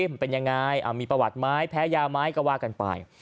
มันเป็นยังไงมีประวัติไหมแพ้ยาไหมก็ว่ากันไป